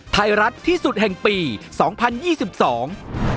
ไทยรัฐที่สุดแห่งปีสองพันยี่สิบสอง